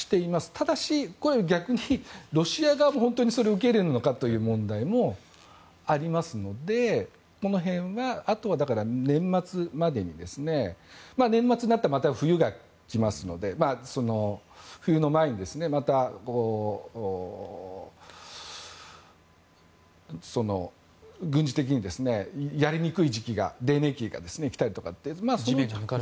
ただし、逆にロシア側も本当にそれを受け入れるのかという問題もありますのでその辺はあとは、だから年末までに年末になったらまた冬が来ますので冬の前に、また軍事的にやりにくい時期が泥濘期が来たりとか。